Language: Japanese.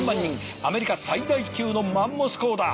アメリカ最大級のマンモス校だ。